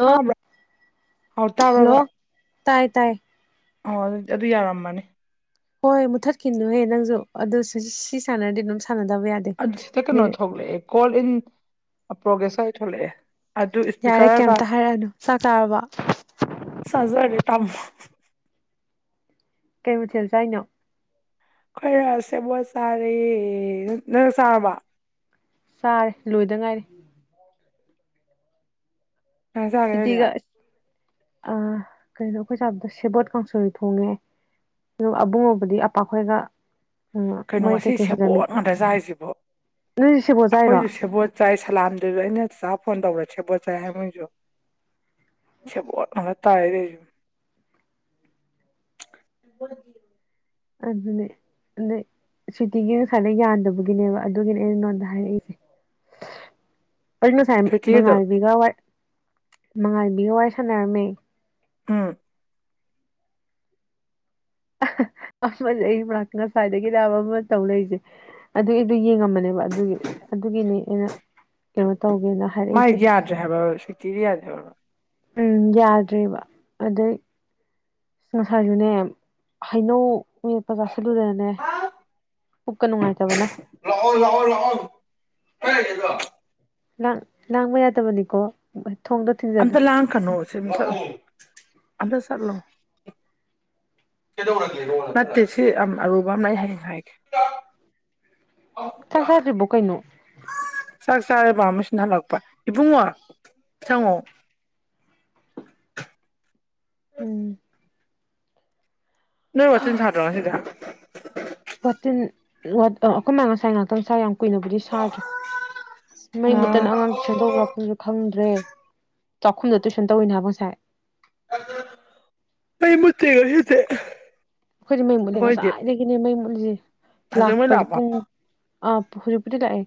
hello ꯇꯥꯕ꯭ꯔꯥ ꯍꯥꯎ ꯇꯥꯔꯕ ꯍꯜꯂꯣ ꯇꯥꯏ ꯇꯥꯏ ꯑꯣ ꯑꯗꯨ ꯑꯗꯨ ꯌꯥꯔꯝꯃꯅꯤ ꯍꯣꯏ ꯃꯨꯊꯠꯈꯤꯅꯨꯍꯦ ꯅꯪꯁꯨ ꯑꯗꯨ ꯁꯤ ꯁꯥꯟꯅꯔꯗꯤ ꯑꯗꯨꯝ ꯁꯥꯟꯅꯗꯕ ꯌꯥꯗꯦ ꯑꯗꯨ ꯁꯤꯗꯩ ꯀꯩꯅꯣ ꯃꯤꯅꯤꯠ ꯊꯣꯛꯂꯛꯑꯦ ꯀꯣꯜ ꯏꯟ ꯄ꯭ꯔꯒꯦꯁ ꯍꯥꯏ ꯊꯂꯦ ꯌꯥꯔꯦ ꯀꯩꯝꯇ ꯍꯥꯏꯔꯛꯑꯅꯨ ꯆꯥꯛ ꯆꯥꯔꯕꯣ ꯇꯝ ꯀꯩ ꯃꯊꯦꯜ ꯆ ꯍꯥꯏꯅꯣ ꯈꯣꯏꯔ ꯁꯦꯕꯣ ꯆꯥꯔꯦ ꯅꯪ ꯆꯥꯔꯕ ꯆꯥꯔꯦ ꯂꯣꯏꯗ ꯉꯥꯏꯔꯦ ꯑꯖꯒꯦ ꯁꯤꯇꯤꯒ ꯑꯗꯨꯗꯤꯌꯥ ꯀꯩꯅꯣ ꯑꯩꯈꯣꯏ ꯆꯥꯕꯗ ꯁꯦꯕꯣꯠ ꯀꯥꯡꯁꯣꯏ ꯊꯣꯡꯉꯦ ꯑꯗꯨꯒ ꯑꯕꯨꯡꯉꯕꯗꯤ ꯑꯄꯥꯛꯈꯣꯏꯒ ꯀꯩꯅꯣ ꯉꯁꯤ ꯁꯦꯕꯣꯠ ꯉꯥꯛꯇ ꯆꯔꯤꯁꯤꯕꯣ ꯅꯣꯏꯁꯨ ꯁꯦꯕꯣꯠ ꯆꯥꯏꯔꯣ ꯑꯩꯈꯣꯏꯁꯨ ꯁꯦꯕꯣꯠ ꯆꯥꯏ ꯁꯂꯥꯝꯗꯨꯁꯨ ꯑꯩꯅ ꯆ ꯐꯣꯟ ꯇꯧꯔꯦ ꯁꯦꯕꯣꯠ ꯆꯥꯏ ꯍꯥꯏ ꯃꯣꯏꯁꯨ ꯁꯤꯕꯣꯔ ꯇꯥꯔ ꯑꯗꯨꯅꯦ ꯑꯗ ꯁꯨꯇꯤꯒꯤ ꯉꯁꯥꯏꯗ ꯌꯥꯟꯗꯕꯒꯤꯅꯦꯕ ꯑꯗꯨꯒꯤꯅꯦ ꯑꯉꯣꯟꯗ ꯍꯥꯏꯔꯛꯏꯁꯦ ꯑꯩ ꯉꯁꯥꯏ ꯁ꯭ꯋꯤꯇꯤꯗꯣ ꯃꯉꯥꯜꯂꯩꯕꯤꯒ ꯋꯥꯔꯤ ꯃꯉꯥꯜꯂꯩꯕꯤꯒ ꯋꯥꯔꯤ ꯁꯟꯅꯔꯝꯃꯦ ꯎꯝ ꯑꯩ ꯃꯥꯅꯥꯛꯇ ꯉꯁꯥꯏꯗꯩꯅꯦ ꯍꯥꯏꯕ ꯑꯃ ꯇꯧ ꯂꯩꯔꯤꯁꯦ ꯑꯗꯨꯒꯤꯗꯨ ꯌꯦꯡꯉꯝꯕꯅꯦꯕ ꯑꯗꯨꯒꯤ ꯑꯗꯨꯒꯤꯅꯦ ꯑꯩꯅ ꯀꯩꯅꯣ ꯇꯧꯒꯦꯅ ꯍꯥꯏꯔꯛꯏꯁꯦ ꯃꯥꯏꯗꯤ ꯌꯥꯗ꯭ꯔꯦ ꯍꯥꯏꯕ ꯁꯨꯇꯤꯗꯤ ꯌꯥꯗ꯭ꯔꯦ ꯍꯥꯏꯕ ꯎꯝ ꯌꯥꯗ꯭ꯔꯦꯕ ꯑꯗꯩ ꯉꯁꯥꯏꯁꯨꯅꯦ ꯍꯩꯅꯧ ꯃꯦꯠꯄꯒ ꯆꯁꯤꯜꯂꯨꯗꯅꯦ ꯄꯨꯛꯀ ꯅꯨꯡꯉꯥꯏꯇꯕꯅ ꯍꯔꯦꯗꯣ ꯂꯥ ꯂꯥꯡꯕ ꯌꯥꯗꯕꯅꯤꯀꯣ ꯊꯣꯡꯗꯣ ꯊꯤꯡꯖꯤꯜꯂꯨ ꯑꯝꯇꯥ ꯂꯥꯉꯛꯀꯅꯣ ꯑꯝꯇ ꯆꯠꯂꯣ ꯅꯠꯇꯦ ꯁꯤ ꯌꯥꯝ ꯑꯔꯨꯕ ꯑꯃꯅ ꯑꯩ ꯍꯌꯦꯡ ꯍꯥꯏꯒꯦ ꯆꯥꯛ ꯆꯥꯗ꯭ꯔꯤꯕꯣ ꯀꯩꯅꯣ ꯆꯥꯛ ꯆꯥ ꯇꯔꯦꯕ ꯃꯤꯁꯤꯅ ꯍꯜꯂꯛꯄ ꯏꯕꯨꯡꯉꯣ ꯁꯤꯉꯣ ꯎꯝ ꯅꯣꯏ ꯋꯥꯆꯤꯟ ꯁꯥ ꯇꯉꯁꯤꯔꯥ ꯋꯤꯔꯇꯣ ꯑꯩꯈꯣꯏ ꯃꯥ ꯉꯥꯁꯥꯏ ꯀꯨꯏꯅꯕꯨꯗꯤ ꯁꯥꯗ꯭ꯔꯦ ꯃꯩ ꯃꯨꯠꯇꯅ ꯑꯉꯥꯡꯗꯨ ꯁꯦꯝꯗꯣꯛꯈ꯭ꯔꯄꯁꯨ ꯈꯪꯗ꯭ꯔꯦ ꯆꯥꯛꯈꯨꯝꯗꯣ ꯇꯨꯏꯁꯟ ꯇꯧꯋꯏꯅ ꯍꯥꯏꯕꯨꯡ ꯉꯁꯥꯏ ꯃꯩ ꯃꯨꯠꯇꯦ ꯉꯁꯤꯗꯤ ꯑꯩꯈꯣꯏꯗꯤ ꯃꯩ ꯃꯨꯅꯤ ꯑꯩꯈꯣꯏꯗꯤ ꯉꯁꯥꯏꯗꯒꯤꯅꯦ ꯃ ꯃꯨ [unintelligible] ꯍꯧꯖꯤꯛ ꯃꯣꯏ ꯂꯥꯛꯄꯗꯤ ꯂꯥꯛꯄ ꯄꯨꯡ ꯑ ꯍꯧꯖꯤꯛꯄꯨꯗꯤ ꯂꯥꯛꯑꯦ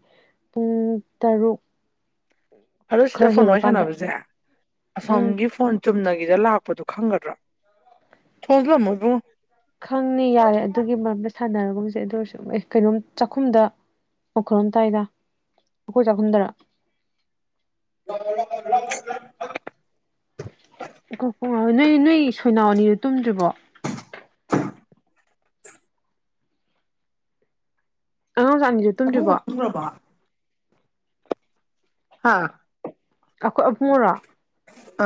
ꯄꯨꯡ ꯇꯔꯨꯛ ꯍꯜꯂꯣ ꯁꯤꯗ ꯈꯔ ꯐꯣꯟ ꯋꯥꯔꯤ ꯍꯦꯜꯂꯀꯥꯟꯗ ꯁꯥꯟꯅꯕꯁꯦ ꯎꯝ ꯑꯁꯣꯝꯒꯤ ꯐꯣꯟ ꯆꯨꯝꯅꯒꯤꯗ ꯂꯥꯛꯄꯗꯨꯣ ꯈꯪꯒꯗ꯭ꯔꯥ ꯊꯣꯜꯂꯝꯃꯣꯏꯕꯨ ꯈꯪꯅꯤ ꯌꯥꯔꯦ ꯑꯗꯨꯒꯤ ꯃꯔꯝꯗ ꯁꯥꯟꯅꯔꯣꯝ ꯆꯁꯦ ꯑꯗꯨ ꯑꯣꯏꯔꯁꯨ ꯑꯦ ꯀꯩꯅꯣꯝ ꯆꯥꯛꯈꯨꯝꯗ ꯋꯥꯜꯣꯝ ꯇꯥꯏꯗ ꯑꯩꯈꯣꯏ ꯆꯥꯛꯈꯨꯝꯗꯔ [unintelligible] ꯑꯣ ꯅꯣꯏ ꯅꯣꯏ ꯁꯣꯏꯅꯥꯎꯅꯤꯗꯨꯣ ꯇꯨꯝꯗ꯭ꯔꯤꯕꯣ [unintelligible] ꯑꯉꯥꯡꯁꯥꯛꯅꯤꯁꯦ ꯑꯕꯨꯡꯉꯣ ꯇꯨꯝꯗ꯭ꯔꯤꯕꯣ ꯇꯨꯝꯒ꯭ꯔꯕꯣ ꯍꯥꯥ ꯑꯩꯈꯣꯏ ꯑꯍꯣꯔꯥ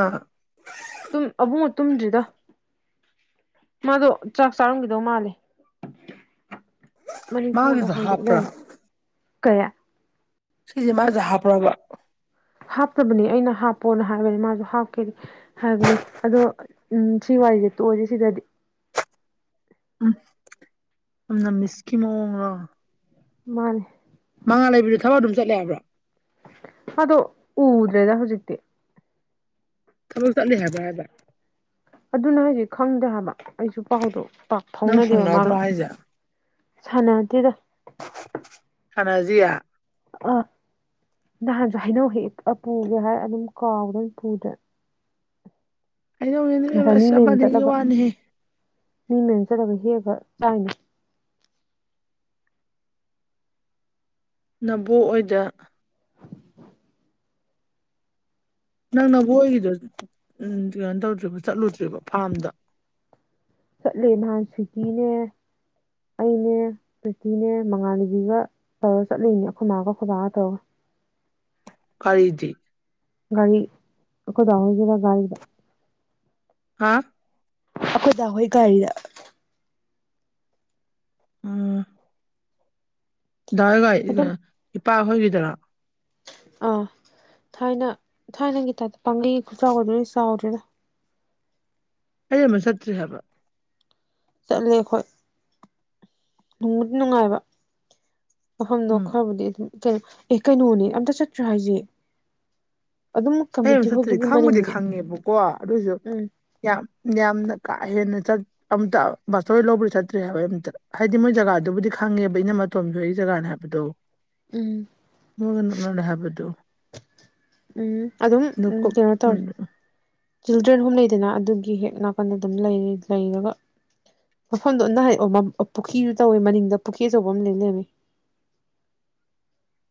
ꯑꯥ ꯨꯑꯥ ꯑꯕꯨꯏ ꯑꯕꯨꯡꯉ ꯇꯨꯝꯗ꯭ꯔꯤꯗ ꯃꯥꯗꯣ ꯆꯥꯛ ꯆꯥꯔꯝꯈꯤꯗꯧ ꯃꯥꯂꯦ ꯃꯥꯒꯤꯁꯨ ꯍꯥꯞꯄ꯭ꯔꯥ ꯀꯌꯥ ꯁꯤꯁ ꯃꯥꯥ ꯆꯍꯥꯄꯔꯥꯕ ꯍꯥꯞꯇꯕꯅꯤ ꯑꯩꯅ ꯍꯥꯞꯄꯣꯅ ꯍꯥꯏꯕꯅꯤ ꯃꯥꯁꯨ ꯍꯥꯞꯀꯦꯅꯤ ꯍꯥꯏꯕꯅꯤ ꯑꯗꯣ ꯎ ꯁꯤ ꯋꯥꯔꯤꯁꯦ ꯇꯣꯏꯁꯦ ꯁꯤꯗꯗꯤ ꯎ ꯝ ꯃꯁꯀꯤꯃꯑꯣꯟꯂꯣ ꯃꯥꯅꯦ ꯃꯉꯥ ꯂꯩꯕꯤꯗꯨꯣ ꯊꯕꯛ ꯑꯗꯨꯝ ꯆꯠꯂꯦ ꯍꯥꯏꯕ꯭ꯔꯣ ꯑꯗꯣ ꯎꯗ꯭ꯔꯦꯗ ꯍꯧꯖꯤꯛꯇꯤ ꯊꯕꯥꯛ ꯆꯗꯤ ꯍꯥꯏꯦꯕ ꯍꯥꯏꯦꯕ ꯑꯗꯨꯅꯦ ꯍꯥꯏꯖꯤ ꯈꯪꯗꯦ ꯍꯥꯏꯕ ꯑꯩꯁꯨ ꯄꯥꯎꯗꯣ ꯄꯥꯛ ꯅꯪ ꯐꯥꯎꯅꯗꯦꯕ ꯍꯪꯅꯗ꯭ꯔꯣ ꯃꯥꯒ ꯍꯥꯏꯁꯦ ꯁꯅꯥꯇꯗ ꯍꯅꯥꯖꯤꯌꯥ ꯑꯥ ꯅꯍꯥꯟꯁꯨ ꯍꯥꯏꯩꯅꯧ ꯍꯦꯛ ꯄꯨꯒꯦ ꯍꯥꯏ ꯑꯗꯨꯝ ꯀꯥꯎꯕꯗꯝ ꯄꯨꯗ꯭ꯔꯦ ꯉꯁꯥꯏ ꯃꯤ ꯃꯌꯨꯝ ꯑꯩꯅꯁꯕꯅꯤ ꯆꯠꯂꯒ ꯋꯥꯅꯤꯍꯦ ꯃꯤ ꯃꯦꯟꯖꯗꯕ ꯍꯦꯕ ꯇꯥꯏꯅ ꯅꯕꯣꯛ ꯑꯣꯏꯗ ꯅꯪ ꯅꯕꯣꯏꯒꯤꯗ ꯎ ꯀꯩꯅꯣ ꯇꯧꯗ꯭ꯔꯤꯕ ꯆꯠꯂꯨꯗ꯭ꯔꯤꯕ ꯐꯥꯔꯝꯗ ꯆꯠꯂꯦ ꯅꯍꯥꯟ ꯁ꯭ꯋꯇꯤꯅꯦ ꯑꯩꯅꯦ ꯁ꯭ꯋꯇꯤꯅꯦ ꯃꯉꯥꯟꯅꯕꯤꯒ ꯇꯧꯔ ꯆꯠꯂꯅꯦ ꯑꯩꯈꯣꯏꯃꯒ ꯑꯩꯣꯏꯕꯥꯒ ꯇꯧꯔꯒ ꯀꯔꯤꯗꯤ ꯒꯥꯔꯤ ꯑꯩꯈꯣꯏꯗꯧ ꯑꯣꯏꯒꯦꯔ ꯒꯥꯔꯤꯗ ꯍꯥꯥ ꯑꯈꯣꯏꯗꯥ ꯍꯣꯏ ꯒꯥꯔꯤꯗ ꯎꯝ ꯗꯑꯒ ꯑꯗꯨꯝ ꯄꯄꯥꯈꯣꯏꯒꯤꯗꯔ ꯑꯥ ꯊꯥꯏꯅ ꯊꯥꯏꯅꯒꯤ ꯇꯥꯏꯞꯇ ꯄꯥꯡꯒꯩ ꯈꯨ ꯆꯥꯎꯗꯨꯗꯤ ꯆꯥꯎꯗ꯭ꯔꯦꯗ ꯑꯩ ꯑꯝꯇ ꯆꯠꯇ꯭ꯔꯤ ꯍꯥꯏꯕ ꯆꯠꯂꯦ ꯈ ꯅꯨꯡꯕꯨꯗꯤ ꯅꯨꯡꯉꯥꯏꯕ ꯑ ꯎꯝ ꯅꯈꯥꯕꯨ ꯑꯦ ꯀꯩꯅꯣꯅꯦ ꯑꯝꯇ ꯆꯠꯇ꯭ꯔꯥ ꯍꯥꯏꯁꯦ ꯑꯗꯨꯝ ꯑꯩ ꯀꯝꯃ꯭ꯌꯨꯅꯤꯇꯤ ꯑꯃꯇ ꯆꯠꯇ꯭ꯔꯤ ꯍꯣꯜꯗꯨꯒꯤ ꯈꯪꯕꯨꯗꯤ ꯃꯅꯤꯡꯅꯤ ꯈꯪꯉꯦꯕꯀꯣ ꯑꯗꯨꯏꯁꯨ ꯎꯝ ꯌꯥꯝ ꯌꯥꯝꯅ ꯀꯥ ꯍꯦꯟꯅ ꯆꯠ ꯑꯝꯇ ꯕꯥꯆꯧ ꯍꯣꯏ ꯂꯧꯕꯒ ꯆꯠꯇ꯭ꯔꯤ ꯍꯥꯏꯕ ꯑꯩ ꯑꯝꯇ ꯍꯥꯏꯗꯤ ꯃꯣꯏ ꯖꯒꯥꯗꯨꯕꯨꯗꯤ ꯈꯪꯉꯦꯕ ꯏꯩꯅꯝꯃꯇꯣꯝꯕꯤ ꯍꯣꯏꯒꯤ ꯖꯒꯥꯅꯦ ꯍꯥꯏꯕꯗꯣ ꯎꯝ ꯃ ꯃ ꯍꯥꯏꯕꯗꯨ ꯎꯝ ꯑꯗꯨꯝ ꯎꯝ ꯅꯀꯨꯞ ꯀꯩꯅꯣ ꯇꯧꯋꯦ ꯆꯤꯜꯗ꯭ꯔꯦꯟ ꯍꯣꯝ ꯂꯩꯗꯅ ꯑꯗꯨꯒꯤ ꯍꯦꯛ ꯅꯥꯀꯟꯗ ꯑꯗꯨꯝ ꯂꯩ ꯂꯩꯔꯒ ꯃꯐꯝꯗꯟꯅ ꯍꯥꯏ ꯄꯨꯈ꯭ꯔꯤꯁꯨ ꯇꯧꯋꯦ ꯃꯅꯤꯡꯗ ꯄꯨꯈ꯭ꯔꯤ ꯑꯆꯧꯕ ꯑꯃ ꯂꯩ ꯂꯩꯔꯃꯤ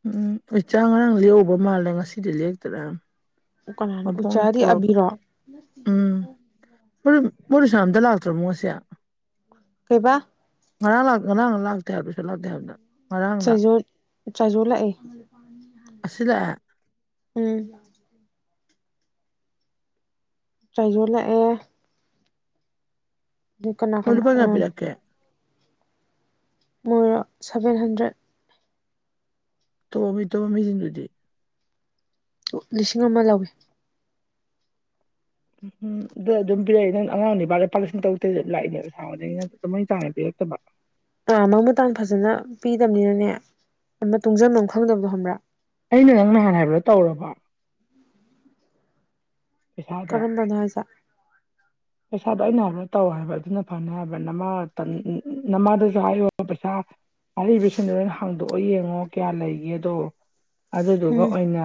ꯎꯝ ꯑꯩ ꯆꯥ ꯉꯔꯥꯡ ꯂꯍꯧꯕ ꯃꯥꯜꯂꯦ ꯉꯁꯤꯗꯤ ꯂꯦꯛꯇ꯭ꯔꯥ ꯀꯅꯥꯅꯣ ꯎꯆꯥꯥꯗꯤ ꯑꯕꯤꯔꯣ ꯃꯣꯔꯁ ꯑꯝꯇ ꯂꯥꯛꯇ꯭ꯔꯣ ꯃꯣ ꯑꯁꯦ ꯀꯩꯕꯥ ꯉꯔꯥꯡ ꯂꯥꯛ ꯉꯔꯥꯡꯂ ꯂꯥꯛꯇꯦ ꯍꯥꯏꯕꯗꯨꯁꯨ ꯂꯥꯛꯇꯦ ꯍꯥꯏꯕꯗ ꯆꯥꯏꯖꯣ ꯆꯥꯏꯖꯣ ꯂꯥꯛꯑꯦ ꯉꯁꯤ ꯂꯥꯛꯑꯦ ꯎꯝ ꯆꯥꯏꯖꯣꯂꯛꯑꯦ ꯀꯅꯥ ꯑꯣꯂꯄ ꯉꯥꯄꯂꯀꯦ ꯃꯣꯏꯔꯣ ꯁꯚꯦꯟ ꯍꯟꯗ꯭ꯔꯦꯠ ꯇ ꯃꯤ ꯇ ꯃꯤꯁꯤꯗꯨꯗꯤ ꯂꯤꯁꯤꯡ ꯑꯃ ꯂꯧꯏ ꯎꯝꯗ ꯑꯗꯨꯝ ꯄꯤꯔꯛꯏ ꯅꯪ ꯑꯉꯥꯡ ꯅꯨ ꯅꯤꯄꯥ ꯂꯨꯄꯥ ꯂꯤꯁꯤꯡ ꯇꯧꯔꯛꯇ꯭ꯔ ꯂꯥꯛꯏꯅꯦꯕ ꯁꯥꯡꯕꯗꯒꯤ ꯅ ꯑꯗꯨꯃꯩ ꯆꯥꯡꯅ ꯄꯤꯔꯛꯇꯕ ꯑꯥ ꯃꯪ ꯃꯇꯥꯡ ꯐꯖꯅ ꯄꯤꯗꯕꯅꯤꯅꯅꯦ ꯑꯃ ꯇꯨꯡꯁꯤꯟꯐꯝꯝ ꯈꯪꯗꯕꯗꯣ ꯈꯪꯕ꯭ꯔꯥ ꯑꯩꯅ ꯅꯪ ꯅꯍꯥꯟ ꯍꯥꯏꯕꯗꯥ ꯇꯧꯔꯕ ꯄꯩꯁꯥꯗꯣ ꯀꯔꯝꯝꯕꯅ ꯍꯥꯏꯖ ꯄꯩꯁꯥꯗꯣ ꯑꯩꯅ ꯍꯥꯏꯕꯗ ꯇꯧ ꯍꯥꯏꯕ ꯑꯗꯨꯅ ꯐꯅ ꯍꯥꯏꯕ ꯅꯃꯥ ꯅꯃꯥꯗꯁꯨ ꯍꯥꯏꯌꯣ ꯄꯩꯁꯥ ꯍꯥꯏꯔꯤꯕꯁꯤꯡꯗꯣ ꯂꯣꯏꯅ ꯍꯥꯡꯗꯣꯛꯑꯣ ꯌꯦꯡꯉꯣ ꯀꯌꯥ ꯂꯩꯒꯦꯗꯣ ꯑꯗꯨꯗꯨꯒ ꯎꯝ ꯑꯣꯏꯅ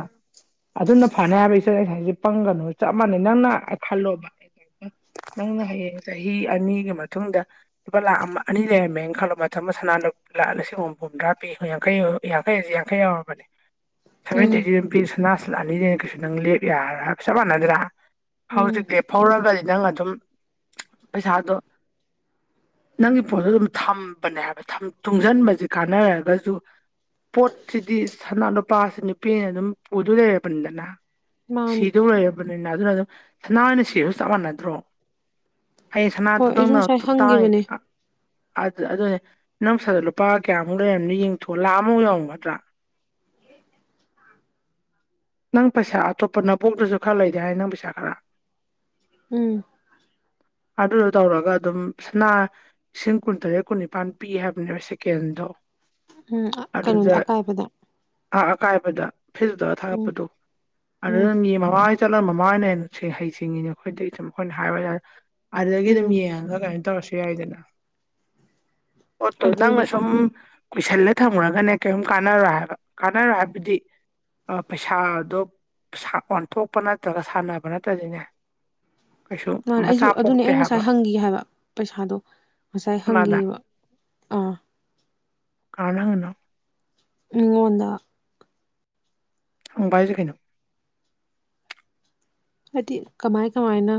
ꯑꯗꯨꯅ ꯐꯅꯤ ꯍꯥꯏꯕ ꯏꯆꯦ ꯉꯥꯏꯁꯦ ꯄꯪꯒꯅꯨ ꯆꯞ ꯃꯥꯟꯅꯩ ꯅꯪꯅ ꯈꯜꯂꯣꯕ ꯅꯪꯅ ꯍꯌꯦꯡ ꯆꯍꯤ ꯑꯅꯤꯒꯤ ꯃꯇꯨꯡꯗ ꯂꯨꯄꯥ ꯂꯥꯛ ꯑꯃ ꯑꯅꯤ ꯂꯩꯔꯝꯃꯦꯅ ꯈꯜꯂꯣ ꯃꯇꯝꯗ ꯁꯅꯥ ꯂꯨ ꯂꯥꯛ ꯂꯤꯁꯤꯡ ꯑꯃꯨꯝ ꯍꯨꯝꯗ꯭ꯔꯥ ꯄꯤ ꯌꯥꯡꯈꯩ ꯌꯥꯡꯈꯩ ꯑꯁꯤ ꯌꯥꯡꯈꯩ ꯌꯥꯎꯔꯕꯅꯦ ꯁꯚꯦꯟꯇꯤ ꯎꯝ ꯑꯩꯇꯤ ꯑꯗꯨ ꯄꯤ ꯁꯅꯥꯁꯤ ꯂꯥꯛ ꯑꯅꯤ ꯂꯩꯅ ꯀꯩꯁꯨ ꯅꯪ ꯂꯦꯞ ꯌꯥ꯭ꯔ ꯆꯞ ꯃꯥꯟꯅꯗ꯭ꯔꯥ ꯎꯝ ꯍꯧꯖꯤꯛ ꯂꯦꯞꯍꯧꯔꯕꯗꯤ ꯅꯪ ꯑꯗꯨꯝ ꯄꯩꯁꯥꯗꯣ ꯅꯪꯒꯤ ꯄꯣꯠꯇꯠꯇꯣ ꯑꯗꯨꯝ ꯊꯝꯕꯅꯦ ꯍꯥꯏꯕ ꯇꯨꯡꯁꯤꯟꯕꯁꯦ ꯀꯥꯟꯅꯔꯒꯁꯨ ꯄꯣꯠꯁꯤꯗꯤ ꯁꯅꯥ ꯅꯨꯨꯄꯥꯁꯤ ꯅꯨꯄꯤꯅ ꯑꯗꯨꯝ ꯄꯨꯗꯣꯏ ꯂꯩꯔꯕꯅꯤꯗꯅ ꯃꯥꯅꯤ ꯁꯤꯤꯗꯣ ꯍꯥꯏꯕꯅꯦ ꯑꯗꯨꯅ ꯑꯗꯨꯝ ꯁꯅꯥꯅ ꯁꯤꯕꯁꯨ ꯆꯞ ꯃꯥꯟꯅꯗ꯭ꯔꯣ ꯑꯩꯩꯁꯅ ꯑꯗꯨ ꯍꯣꯏ ꯑꯩꯁꯨ ꯇꯪꯅ ꯉꯁꯥꯏ ꯇꯑ ꯍꯪꯈꯤꯕꯅꯦ ꯀ ꯑꯗꯨ ꯑꯗꯨꯅꯦ ꯅꯪ ꯏꯁꯥꯗ ꯂꯨꯄꯥ ꯀꯌꯥꯃꯨꯛ ꯂꯩꯔꯝꯅꯣ ꯌꯦꯡꯊꯣꯛ ꯂꯥꯛꯑꯝꯃꯨꯛ ꯌꯥꯎꯔꯝꯒꯗ꯭ꯔꯥ ꯅꯪ ꯄꯩꯁꯥ ꯑꯇꯣꯞꯄ ꯅꯕꯣꯛꯇꯁꯨ ꯈꯔ ꯂꯩꯗꯤꯦ ꯍꯥꯏ ꯅꯪ ꯄꯩꯁꯥ ꯈꯔ ꯎꯝ ꯑꯗꯨꯗꯣ ꯇꯧꯔꯒ ꯑꯗꯨꯝꯅꯥ ꯂꯤꯁꯤꯡ ꯀꯨꯟꯇꯔꯦꯠ ꯀꯨꯟꯅꯤꯄꯥꯜ ꯄꯤ ꯍꯥꯏꯕꯅꯦꯕ ꯁꯦꯀꯦꯟꯗꯣ ꯎꯝ ꯀꯩꯅꯣ ꯑꯀꯥꯏꯕꯗ ꯑꯣꯏꯗ ꯐꯤꯖꯗ ꯎꯝ ꯊꯥꯒꯠꯄꯗꯣ ꯑꯗꯨ ꯎꯝ ꯅꯪꯒꯤ ꯃꯃꯥ ꯆꯠꯂꯝ ꯃꯃꯥꯏꯅ ꯍꯩꯁꯤꯡꯉꯤꯅꯦ ꯑꯩꯈꯣꯏꯗꯒꯤ ꯁꯨꯝ ꯑꯩꯈꯣꯏꯅ ꯍꯥꯏꯕ ꯌꯥꯏ ꯑꯗꯨꯗꯒꯤ ꯑꯗꯨꯝ ꯎꯝ ꯌꯦꯡꯉꯒ ꯀꯃꯥꯏ ꯇꯧꯔꯁꯤ ꯀ ꯑꯣꯏꯗꯅ ꯑꯣꯠꯇꯣ ꯅꯪ ꯑꯗꯨꯅꯦ ꯁꯨꯝ ꯀꯨꯏꯁꯜꯂ ꯊꯝꯃꯨꯔꯒꯅꯦ ꯀꯔꯤꯝ ꯀꯥꯟꯅꯔꯣꯏ ꯍꯥꯏꯕ ꯀꯥꯟꯅꯔꯣꯏ ꯍꯥꯏꯕꯗꯤ ꯄꯩꯁꯥꯗꯣ ꯑꯣꯟꯊꯣꯛꯄ ꯅꯠꯇ꯭ꯔꯒ ꯁꯥꯟꯅꯕ ꯅꯠꯇꯗꯤꯅꯦ ꯃꯥꯥꯟ ꯑꯩꯁꯨ ꯑꯗꯨꯅꯦ ꯑꯩ ꯉꯁꯥꯏ ꯍꯪꯈꯤ ꯍꯥꯏꯕ ꯄꯩꯁꯥꯗꯣ ꯉꯁꯥꯏ ꯀꯅꯥꯗ ꯍꯪꯈꯤꯕ ꯑꯥ ꯀꯅꯥꯅꯣ ꯃꯤꯉꯣꯟꯗ ꯍꯪ ꯄꯏꯖꯒꯦꯩꯅꯣ ꯍꯥꯏꯗꯤ ꯀꯃꯥꯏ ꯀꯃꯥꯏꯅ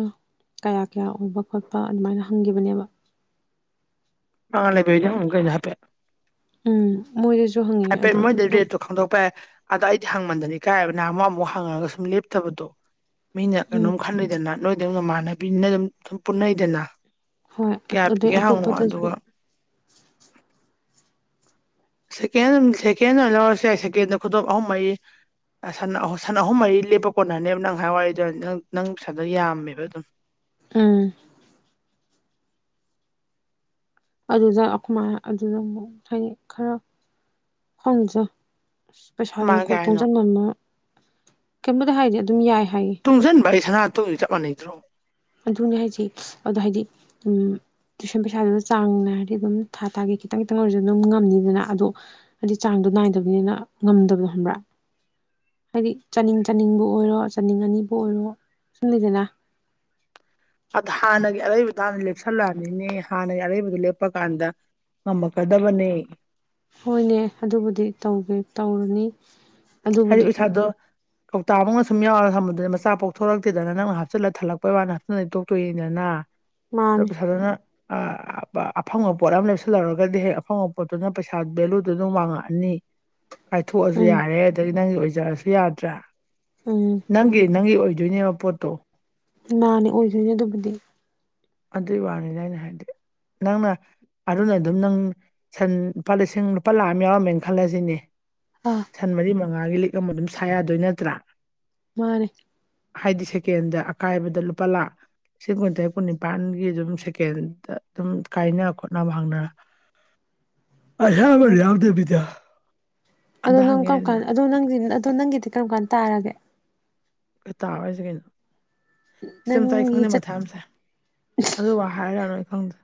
ꯀꯌꯥ ꯀꯌꯥ ꯑꯣꯏꯕ ꯈꯣꯠꯄ ꯑꯗꯨꯃꯥꯏꯅ ꯍꯪꯈꯤꯕꯅꯦꯕ ꯃꯥ ꯂꯩꯕ ꯀꯩ ꯍꯥꯄꯦ ꯎꯝ ꯃꯣꯏꯗꯁꯨ ꯍꯪꯉꯤꯉꯦ ꯑꯗꯣ ꯇꯣꯞ ꯑꯗ ꯑꯩꯗꯤ ꯍꯪꯃꯟꯗꯅꯤ ꯀꯥꯏ ꯍꯥꯏꯕ ꯅꯍꯥꯟ ꯑꯃꯨꯛ ꯑꯃꯨꯛ ꯍꯪꯉꯒ ꯁꯨꯝ ꯂꯦꯞꯇꯕꯗꯣ ꯃꯤꯅ ꯎꯝ ꯀꯩꯅꯣꯝ ꯈꯜꯂꯗꯅ ꯂꯣꯏ ꯑꯗꯨꯝ ꯅꯃꯥꯟꯅꯕꯤꯅ ꯑꯗꯨꯝ ꯁꯨꯝ ꯄꯨꯅꯩꯗꯅ ꯍꯣꯏ ꯑꯗꯩ ꯑꯇꯣꯞꯄꯗꯁꯨ ꯁꯦꯀꯦꯟ ꯁꯦꯀꯦꯟ ꯑꯣꯏꯅ ꯂꯧꯔꯁꯨ ꯌꯥꯏ ꯁꯦꯀꯦꯟꯗ ꯈꯨꯇꯣꯞ ꯑꯍꯨꯝ ꯃꯔꯤ ꯁꯟ ꯑꯍꯨꯝ ꯃꯔꯤ ꯂꯦꯞꯄ ꯀꯣꯟꯅꯅꯦꯕ ꯅꯪ ꯍꯥꯏꯋꯥꯏꯗ ꯅ ꯅꯪ ꯄꯩꯁꯥꯗ ꯌꯥꯝꯃꯦꯕ ꯑꯗꯨꯝ ꯑꯝ ꯑꯗꯨꯗ ꯑꯩꯈꯃꯥꯏꯅ ꯑꯗꯨꯗ ꯑꯃꯨꯛ ꯍꯥꯏꯗꯤ ꯈꯔ ꯑꯁ ꯄꯩꯁꯥꯔꯤꯦ ꯃꯥ ꯀꯣ ꯀꯩ ꯍꯥꯏꯅꯣ ꯊꯣꯡꯖꯅꯅ ꯀꯩꯣꯗ ꯍꯥꯏꯗꯤ ꯑꯗꯨꯝ ꯌꯥꯏ ꯍꯥꯏꯌꯦ ꯇꯨꯡꯁꯤꯟ ꯚꯥꯏ ꯁꯅꯥ ꯆ ꯃ ꯅꯗ꯭ꯔꯣ ꯑꯗꯨꯅꯦ ꯍꯥꯏꯁꯤ ꯑꯗꯣ ꯍꯥꯏꯗꯤ ꯇꯨꯏꯁꯟ ꯄꯩꯁꯥꯗꯨꯗ ꯆꯥꯡ ꯅꯥꯏꯔꯗꯤ ꯑꯗꯨꯝ ꯊꯥ ꯊꯥꯒꯤ ꯈꯤꯇꯪ ꯈꯤꯇꯪ ꯑꯣꯏꯔꯁꯨ ꯑꯗꯨꯝ ꯉꯝꯅꯤꯗꯅ ꯑꯗꯣ ꯍꯥꯏꯗꯤ ꯆꯥꯡꯗꯣ ꯅꯥꯏꯗꯕꯅꯤꯅ ꯉꯝꯗꯕꯗꯣ ꯈꯕ꯭ꯔꯥ ꯍꯥꯏꯗꯤ ꯆꯥꯅꯤꯡ ꯆꯥꯅꯤꯡꯕꯨ ꯑꯣꯏꯔꯣ ꯆꯥꯅꯤꯡ ꯑꯅꯤꯕꯨ ꯑꯣꯏꯔꯣ ꯁꯨꯝ ꯂꯩꯗꯅ ꯑꯗ ꯍꯥꯟꯅꯒꯤ ꯑꯔꯩꯕꯗ ꯍꯥꯟꯅ ꯂꯦꯞꯁꯜꯂꯛꯑꯅꯤꯅꯦ ꯍꯥꯟꯅꯒꯤ ꯑꯔꯩꯕꯗꯨ ꯂꯦꯞꯄ ꯀꯥꯟꯗ ꯉꯝꯃꯛꯀꯗꯕꯅꯤ ꯍꯣꯏꯅꯦ ꯑꯗꯨꯕꯨꯗꯤ ꯇꯧꯒꯦ ꯇꯧꯔꯨꯅꯤ ꯍꯥꯏꯔꯤꯕ ꯏꯁꯩꯥꯗꯣ ꯀꯧꯇꯥꯛ ꯐꯧꯒ ꯁꯨꯝ ꯌꯥꯎꯔꯒ ꯊꯝꯕꯗꯨꯗꯗꯤ ꯃꯆꯥ ꯄꯣꯛꯊꯣꯔꯛꯇꯦꯗꯅ ꯅꯪꯅ ꯍꯥꯞꯆꯤꯜꯂ ꯊꯜꯂꯛꯄꯩ ꯋꯥꯅꯤꯅ ꯍꯥꯆꯤꯂ ꯇꯣꯛꯇꯣꯏꯅꯤꯗꯅ ꯃꯥꯅꯤ ꯁꯅ ꯑꯐꯪꯕ ꯄꯣꯠ ꯑꯃ ꯂꯦꯞꯁꯤꯜꯂꯔꯒꯗꯤ ꯍꯦꯛ ꯑꯐꯪꯕ ꯄꯣꯠꯇꯨꯅ ꯄꯩꯁꯥ ꯚꯦꯂꯨꯗꯨ ꯑꯗꯨꯝ ꯃꯡꯉꯛꯑꯅꯤ ꯀꯥꯏꯊꯣꯛꯑꯁꯨ ꯎꯝ ꯌꯥꯔꯦ ꯅꯪꯒꯤ ꯑꯣꯏꯖꯔꯁꯨ ꯌꯥꯗ꯭ꯔꯥ ꯎꯝ ꯅꯪ ꯅꯪꯒꯤ ꯑꯣꯏꯣꯏ ꯨꯅꯤ ꯋꯥꯄꯣꯠꯇꯣ ꯃꯥꯅꯦ ꯑꯣꯏꯁꯨꯅꯤ ꯑꯗꯨꯕꯨꯗꯤ ꯑꯗꯨꯏ ꯋꯥꯅꯤꯗ ꯑꯩꯅ ꯍꯥꯏꯗꯤ ꯅꯪꯅ ꯑꯗꯨꯅ ꯑꯗꯨꯝ ꯅꯪ ꯁꯟ ꯂꯨꯄꯥ ꯂꯤꯁꯤꯡ ꯂꯨꯄꯥ ꯂꯥꯛꯑ ꯑꯃ ꯌꯥꯎꯔꯝꯃꯦꯅ ꯈꯜꯂꯁꯤꯅꯦ ꯑꯥ ꯁꯟꯃꯗꯤ ꯃꯉꯥꯒꯤ ꯂꯤꯛ ꯑꯃ ꯑꯗꯨꯝ ꯁꯥ ꯌꯥꯗꯣꯏ ꯅꯠꯇ꯭ꯔꯥ ꯃꯥꯅꯦ ꯍꯥꯏꯗꯤ ꯁꯦꯀꯦꯟꯗ ꯑꯀꯥꯏꯕꯗ ꯂꯨꯄꯥ ꯂꯥꯛ ꯂꯤꯁꯤꯡ ꯀꯨꯟꯇꯔꯦꯠ ꯀꯨꯟ ꯅꯤꯄꯥꯥꯟꯒꯤ ꯑꯗꯨꯝ ꯁꯦꯀꯦꯟꯗ ꯑꯗꯨꯝ ꯀꯥꯏꯅꯕ ꯈꯣꯠꯅꯕ ꯐꯪꯗ ꯑꯍꯕ ꯌꯥꯎꯗꯦꯕꯤꯗꯌꯥ ꯑꯗꯨꯗ ꯅꯪ ꯀꯥꯎ ꯀꯥ ꯑꯗꯨ ꯅꯪ ꯑꯗꯨꯗꯣ ꯅꯪꯒꯤꯗꯤ ꯀꯔꯝ ꯀꯥꯟ ꯇꯥꯔꯒꯦ ꯀꯩ ꯇꯥꯕ ꯍꯥꯏꯁꯦ ꯀꯩꯅꯣ ꯏꯆꯝ ꯆꯥꯏ ꯅꯪꯒꯤ ꯈꯪꯗꯦ ꯆꯠ ꯃꯊꯥꯝꯁꯦ ꯑꯗꯨꯕꯨ ꯍꯥꯏꯔ ꯅꯣꯏ ꯍꯪꯗ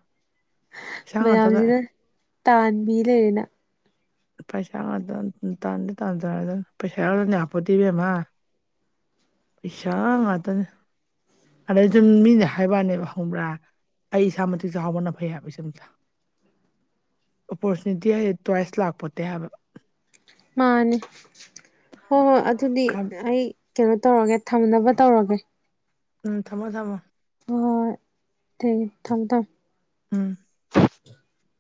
ꯁꯥꯡ ꯇꯗ ꯇꯥꯥꯟꯕꯤ ꯂꯩꯅ ꯄꯩꯁꯥꯗ ꯇꯥꯟꯗꯤ ꯇꯥꯟ ꯇ ꯄꯩꯁꯥꯗꯅꯤ ꯍꯥꯄꯠꯇꯤꯕꯦꯝꯃ ꯄꯩꯁꯥ ꯉꯥꯛꯇꯅꯦ ꯑꯗꯩ ꯁꯨꯝ ꯃꯤꯅꯦ ꯍꯥꯏꯕꯅꯦꯕ ꯍꯪꯕ꯭ꯔꯥ ꯑꯩ ꯏꯁꯥ ꯃꯇꯤꯛ ꯆ ꯆꯥꯎꯕꯅ ꯐꯩ ꯍꯥꯏꯕ ꯁꯝꯁ ꯑꯣꯄꯣꯔꯆꯨꯅꯤꯇꯤ ꯍꯥꯏ ꯇꯣꯏꯁ ꯂꯥꯛꯄꯣꯠꯇꯦ ꯍꯥꯏꯕꯕ ꯃꯥꯅꯦ ꯍꯣꯏ ꯍꯣꯏ ꯑꯗꯨꯗꯤ ꯑꯩ ꯀꯩꯅꯣ ꯇꯧꯔꯒꯦ ꯊꯝꯅꯕ ꯇꯧꯔꯒꯦ ꯎꯝ ꯊꯝꯃꯣ ꯊꯝꯃꯣ ꯍ ꯊ ꯊꯪꯗ ꯎꯝ [inaudible]